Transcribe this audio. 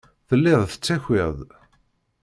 Tellid tettakid-d.